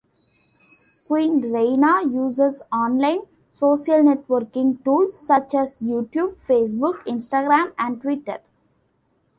Queen Rania uses online social-networking tools such as YouTube, Facebook, Instagram and Twitter.